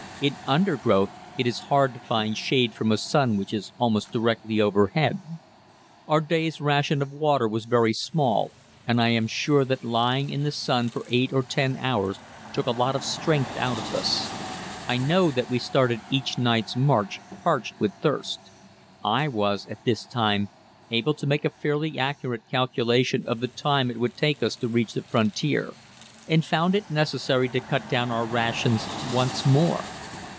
In undergrowth it is hard to find shade from a sun which is almost directly overhead. Our day's ration of water was very small, and I am sure that lying in the sun for eight or ten hours took a lot of strength out of us. I know that we started each night's march parched with thirst. I was, at this time, able to make a fairly accurate calculation of the time it would take us to reach the frontier, and found it necessary to cut down our rations once more.